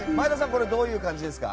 これ、どういう感じですか？